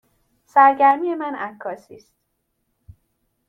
سرگرمی من عکاسی است.